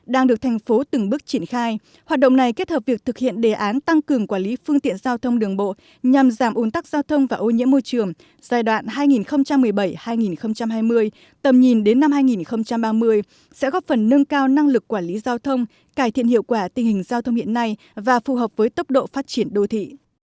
đang được thành phố từng bước triển khai hoạt động này kết hợp việc thực hiện đề án tăng cường quản lý phương tiện giao thông đường bộ nhằm giảm ủn tắc giao thông và ô nhiễm môi trường giai đoạn hai nghìn một mươi bảy hai nghìn hai mươi tầm nhìn đến năm hai nghìn ba mươi sẽ góp phần nâng cao năng lực quản lý giao thông cải thiện hiệu quả tình hình giao thông hiện nay và phù hợp với tốc độ phát triển đô thị